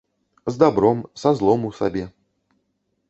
З дабром, са злом у сабе.